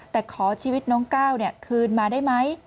แต่ขอชีวิตน้องก้าวคืนมาได้ไหม